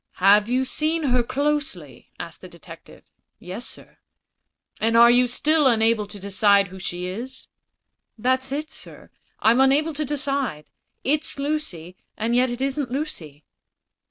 "Have you seen her closely?" asked the detective. "Yes, sir." "And are still unable to decide who she is?" "That's it, sir; I'm unable to decide. It's Lucy: and yet it isn't Lucy."